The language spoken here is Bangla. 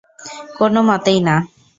কোনও মতেই না।